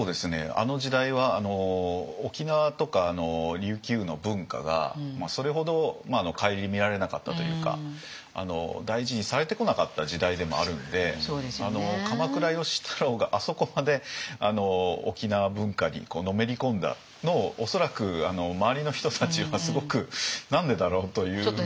あの時代は沖縄とか琉球の文化がそれほど顧みられなかったというか大事にされてこなかった時代でもあるので鎌倉芳太郎があそこまで沖縄文化にのめり込んだのを恐らく周りの人たちはすごく何でだろう？というふうな。